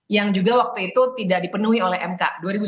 yang juga waktu itu tidak dipenuhi oleh mk dua ribu sembilan belas